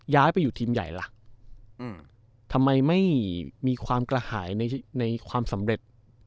ย้ายไปอยู่ทีมใหญ่ล่ะทำไมไม่มีความกระหายในความสำเร็จ